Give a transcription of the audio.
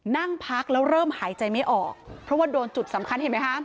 นั่งพักแล้วเริ่มหายใจไม่ออกเพราะว่าโดนจุดสำคัญเห็นไหมคะ